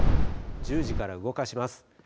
１０時から動かします。